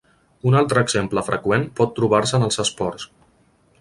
Un altre exemple freqüent pot trobar-se en els esports.